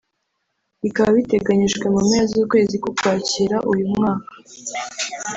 bikaba biteganyijwe mu mpera z’ukwezi k’Ukwakira uyu mwaka